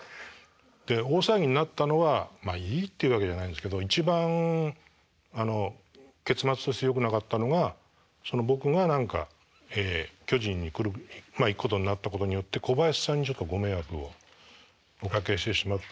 で大騒ぎになったのはまあいいっていうわけじゃないんですけど一番結末としてよくなかったのが僕が何か巨人に行くことになったことによって小林さんにちょっとご迷惑をおかけしてしまったので。